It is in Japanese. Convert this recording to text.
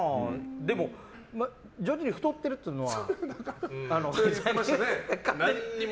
でも、徐々に太ってるっていうのは。